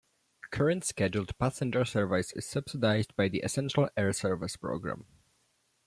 Current scheduled passenger service is subsidized by the Essential Air Service program.